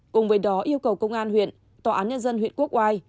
cùng với đó yêu cầu công an huyện tòa án nhân dân huyện quốc oai